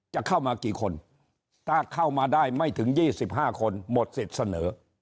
จะเข้ามากี่คนถ้าเข้ามาได้ไม่ถึง๒๕คนหมดสิทธิ์เสนอ